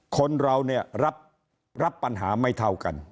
คนเราเนี่ยรับปัญหาไม่เท่ากัน